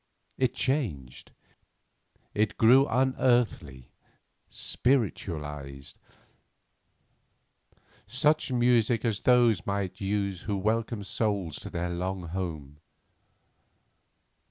It changed; it grew unearthly, spiritualised, such music as those might use who welcome souls to their long home.